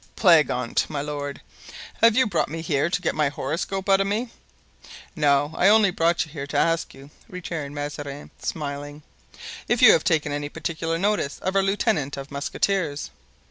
"Plague on't, my lord, have you brought me here to get my horoscope out of me?" "No; I only brought you here to ask you," returned Mazarin, smiling, "if you have taken any particular notice of our lieutenant of musketeers?"